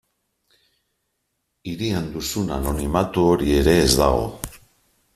Hirian duzun anonimatu hori ere ez dago.